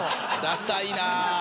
ださいな！